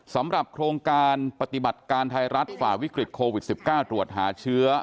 สำหรับโครงการปฏิบัติการไทยรัฐฝ่าวิกฤตโควิด๑๙ตรวจหาเชื้อ